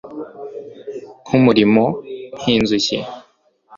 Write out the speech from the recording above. Nkumurimo nkinzuki